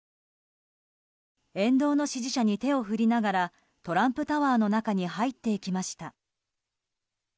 沿道の支持者に手を振りながらトランプタワーの中に入っていきました。